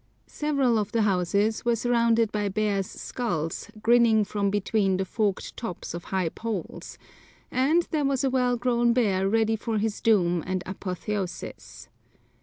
Several of the houses were surrounded by bears' skulls grinning from between the forked tops of high poles, and there was a well grown bear ready for his doom and apotheosis.